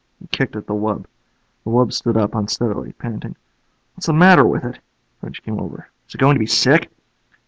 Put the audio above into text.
He kicked at the wub. The wub stood up unsteadily, panting. "What's the matter with it?" French came over. "Is it going to be sick?"